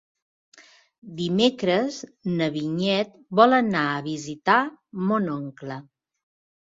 Dimecres na Vinyet vol anar a visitar mon oncle.